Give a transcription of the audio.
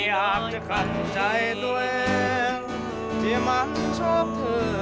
จำเป็นต้องขัดใจตัวเองที่มัดชอบเธอ